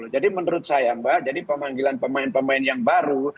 jadi menurut saya pemanggilan pemain pemain yang baru